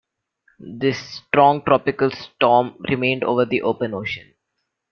This strong tropical storm remained over the open ocean.